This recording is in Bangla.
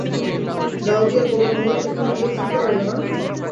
গাওদিয়ায় বড় হল, সেখানে গিয়ে থাকতে পারবে না?